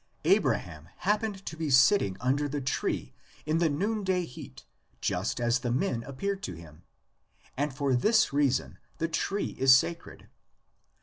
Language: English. Abraham happened to be sitting under the tree in the noonday heat just as the men appeared to him, and for this reason the tree is sacred (*i«.